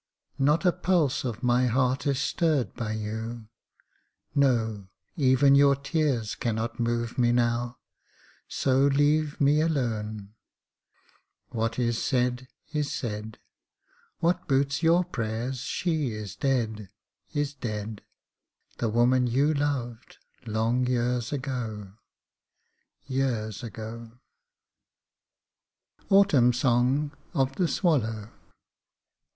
Not a pulse of my heart is stirred by you, No; even your tears cannot move me now; So leave me alone, what is said is said, What boots your prayers, she is dead! is dead! The woman you loved, long years ago, Years ago. AUTUMN SONG OF THE SWALLOW.